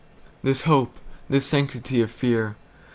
This hope, this sanctity of fear?